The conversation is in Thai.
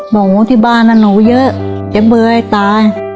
หนูที่บ้านนั้นหนูเยอะจะเบยตาย